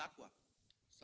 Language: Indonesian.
adalah saudara terdakwa